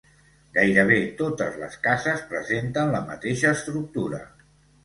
Gairebé totes les cases presenten la mateixa estructura.